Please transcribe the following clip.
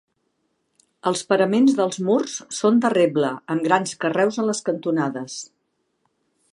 Els paraments dels murs són de reble, amb grans carreus a les cantonades.